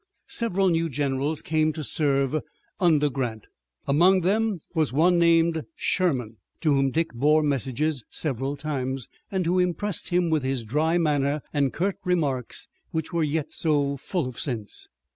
Several new generals came to serve under Grant. Among them was one named Sherman, to whom Dick bore messages several times, and who impressed him with his dry manner and curt remarks which were yet so full of sense.